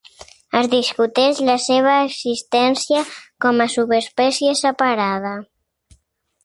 Es discuteix la seva existència com a subespècie separada.